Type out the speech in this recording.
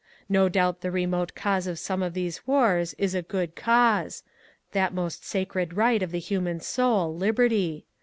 No doubt the remote cause of some of these wars is a good cause, — that most sacred right of the human soul, Liberty.